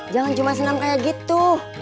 jangan cuma senam kayak gitu